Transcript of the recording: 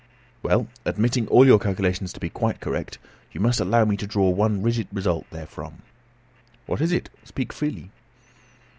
"Well, admitting all your calculations to be quite correct, you must allow me to draw one rigid result therefrom." "What is it. Speak freely."